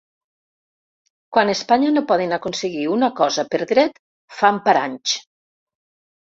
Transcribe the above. Quan a Espanya no poden aconseguir una cosa per dret, fan paranys.